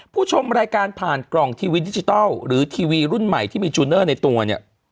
ผู้ชมรายการผ่านกล่องทีวีดิจิทัลหรือทีวีรุ่นใหม่ที่มีจูเนอร์ในตัวเนี่ย